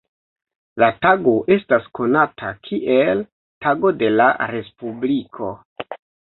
La tago estas konata kiel "Tago de la Respubliko".